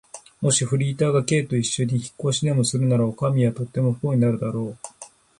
もしフリーダが Ｋ といっしょに引っ越しでもするなら、おかみはとても不幸になることだろう。